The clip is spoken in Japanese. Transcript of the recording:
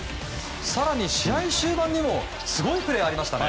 更に、試合終盤にもすごいプレーがありましたね。